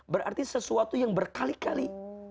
berarti sesuatu yang berkali kali